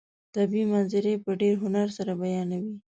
طبیعي منظرې په ډېر هنر سره بیانوي.